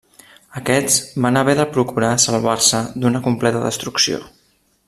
Aquests van haver de procurar salvar-se d'una completa destrucció.